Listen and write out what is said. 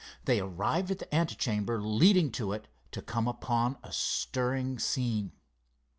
They arrived at the ante chamber leading to it to come upon a stirring scene.